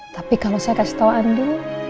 tapi kalau saya kasih tahu andi